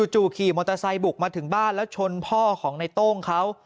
ขี่มอเตอร์ไซค์บุกมาถึงบ้านแล้วชนพ่อของในโต้งเขา